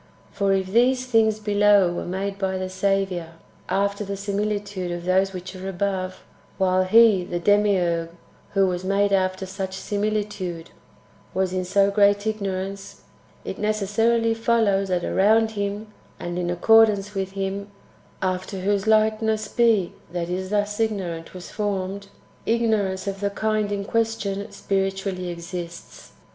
For if these things [below] were made by the Saviour after the similitude of those which are above, while He (the Demiurge) who was made after such similitude was in so great ignorance, it necessarily fol lows that around Him, and in accordance with Him, after whose likeness he that is thus ignorant was formed, ignor ance of the kind in question spiritually exists.